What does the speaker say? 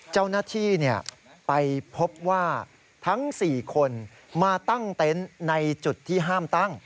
เจ้าหน้าที่ไปพบว่าทั้ง๔คนมาตั้งเต็นต์ในจุดที่ห้ามตั้ง